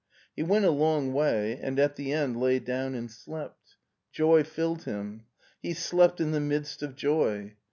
He went a long way, and at the end lay down and slept. Joy filled him. He slept in the midst of joy.